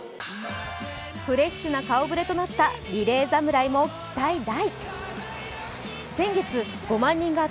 フレッシュな顔ぶれとなったリレー侍も期待大。